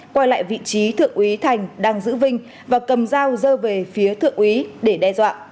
quay lại vị trí thượng úy thành đang giữ vinh và cầm dao dơ về phía thượng úy để đe dọa